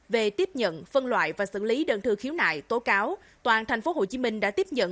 về tiếp nhận phân loại và xử lý đơn thư khiếu nại tố cáo toàn thành phố hồ chí minh đã tiếp nhận